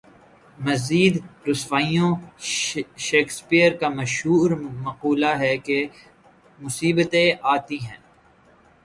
مزید رسوائیاں شیکسپیئر کا مشہور مقولہ ہے کہ مصیبتیں آتی ہیں۔